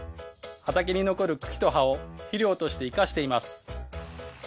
畑に残る茎と葉を肥料として活かしています。